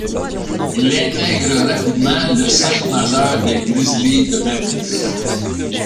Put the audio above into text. Il intègre rapidement le cinq majeur des Grizzlies de Memphis.